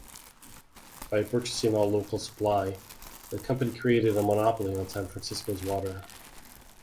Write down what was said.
By purchasing all local supply, the company created a monopoly on San Francisco's water.